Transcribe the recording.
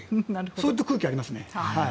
そういう空気はありますね。